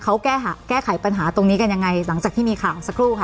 เขาแก้ไขปัญหาตรงนี้กันยังไงหลังจากที่มีข่าวสักครู่ค่ะ